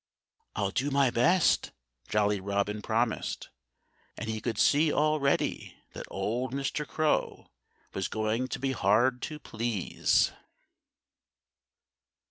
"I'll do my best," Jolly Robin promised. And he could see already that old Mr. Crow was going to be hard to please.